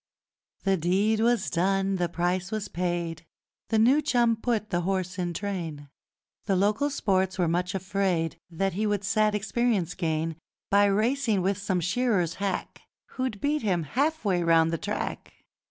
The deed was done, the price was paid, The new chum put the horse in train: The local sports were much afraid That he would sad experience gain, By racing with some shearer's hack, Who'd beat him half way round the track.